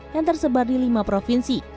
yang tersebar di lima provinsi